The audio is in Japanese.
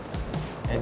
えっ？